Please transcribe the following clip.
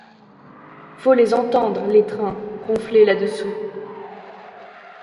Faut les entendre, les trains, ronfler là-dessous!